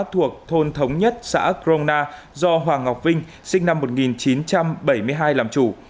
thuộc thôn thống nhất xã crona do hoàng ngọc vinh sinh năm một nghìn chín trăm bảy mươi hai làm chủ